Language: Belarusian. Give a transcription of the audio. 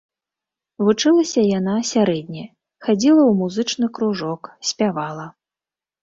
Вучылася яна сярэдне, хадзіла ў музычны кружок, спявала.